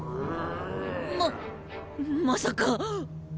ままさか。